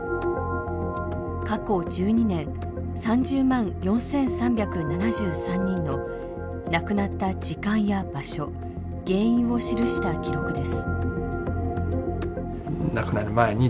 過去１２年３０万４，３７３人の亡くなった時間や場所原因を記した記録です。